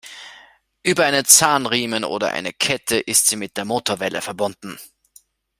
Über einen Zahnriemen oder eine Kette ist sie mit der Motorwelle verbunden.